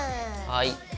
はい。